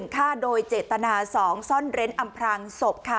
ฆ่าโดยเจตนา๒ซ่อนเร้นอำพรางศพค่ะ